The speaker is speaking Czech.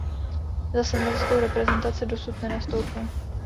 Za seniorskou reprezentaci dosud nenastoupil.